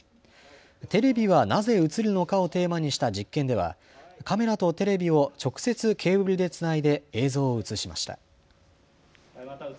テレビはなぜ映るのかをテーマにした実験ではカメラとテレビを直接ケーブルでつないで映像を映しました。